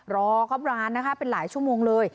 รอครบร้านนะคะเป็นหลายชั่วโมงเลย